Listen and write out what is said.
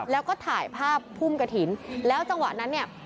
แล้วก็ถ่ายภาพพุ่มกระถิ่นแล้วจังหวะนั้นเนี่ย